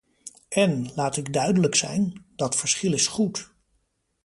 En, laat ik duidelijk zijn, dat verschil is goed.